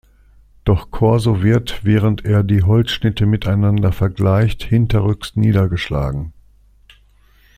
Doch Corso wird, während er die Holzschnitte miteinander vergleicht, hinterrücks niedergeschlagen.